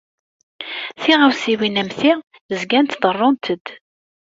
Tiɣawsiwin am ti zgant ḍerrunt-d.